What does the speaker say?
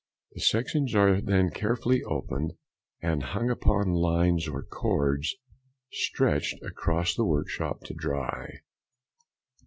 The sections are then carefully opened, and hung upon lines or cords stretched across the workshop to dry.